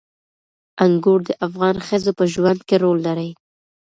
انګور د افغان ښځو په ژوند کې رول لري.